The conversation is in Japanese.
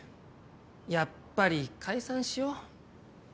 やっぱり解散しよう。